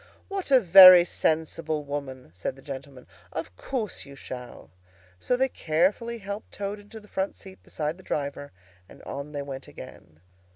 "What a very sensible woman!" said the gentleman. "Of course you shall." So they carefully helped Toad into the front seat beside the driver, and on they went again.